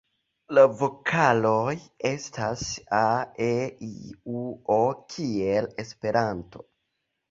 La vokaloj estas a,e,i,u,o kiel Esperanto.